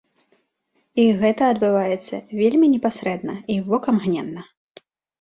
І гэта адбываецца вельмі непасрэдна і вокамгненна.